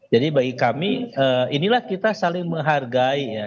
jadi bagi kami inilah kita saling menghargai ya